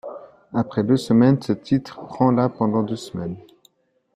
Après deux semaines, ce titre prend la pendant deux semaines.